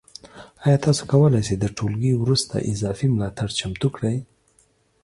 ایا تاسو کولی شئ د ټولګي وروسته اضافي ملاتړ چمتو کړئ؟